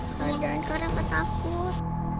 kadang kadang kakak takut